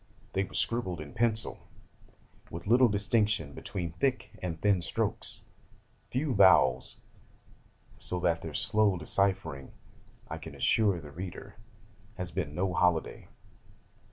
They were scribbled in pencil, with little distinction between thick and thin strokes, few vowels: so that their slow deciphering, I can assure the reader, has been no holiday.